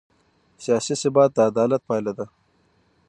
سیاسي ثبات د عدالت پایله ده